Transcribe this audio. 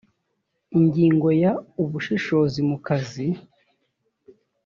ingingo ya ubushishozi mu kazi